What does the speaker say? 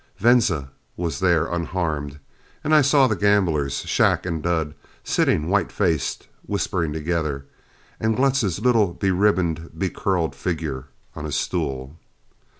Venza was there, unharmed. And I saw the gamblers, Shac and Dud, sitting white faced, whispering together. And Glutz's little beribboned, becurled figure on a stool.